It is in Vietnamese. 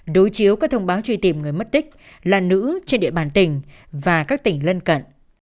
đối chiếu các thông báo truy tìm người mất tích là nữ trên địa bàn tỉnh và các tỉnh lân cận